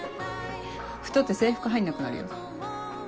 太って制服入んなくなるよ。